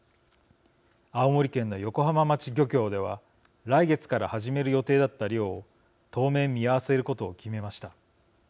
青森県の横浜町漁協では来月から始める予定だった漁を当面見合わせることを決めました。